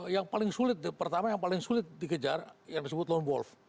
yang paling sulit pertama yang paling sulit dikejar yang disebut lone wolf